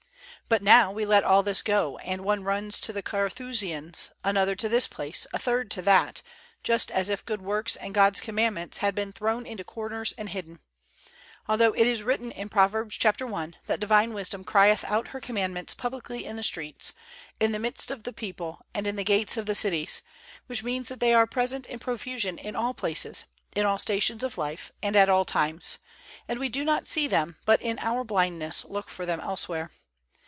But now we let all this go, and one runs to the Carthusians, another to this place, a third to that, just as if good works and God's Commandments had been thrown into corners and hidden; although it is written in Proverbs i, that divine wisdom crieth out her commandments publicly in the streets, in the midst of the people and in the gates of the cities; which means that they are present in profusion in all places, in all stations of life and at all times, and we do not see them, but in our blindness look for them elsewhere.